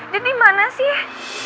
dia di mana sih